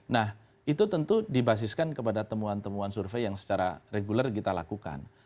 nah itu tentu dibasiskan kepada temuan temuan survei yang secara reguler kita lakukan